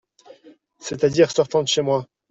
C'est-à-dire sortant de chez moi.